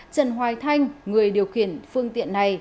chân hoài thanh người điều khiển phương tiện này